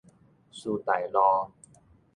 師大路